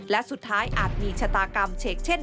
และสุดท้ายอาจมีชะตากรรมเฉกเช่น